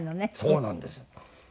そうなんですよ。